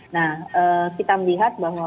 nah kita melihat bahwa